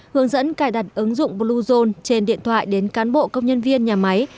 hướng dẫn cài đặt ứng dụng bluezone trên điện thoại đến cán bộ công nhân viên nhà máy